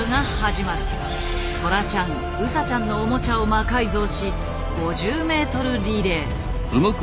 トラちゃんウサちゃんのオモチャを魔改造し５０ｍリレー。